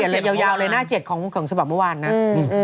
ถ้าอยู่หน้าเจ็ดของเมื่อวานอืมอืม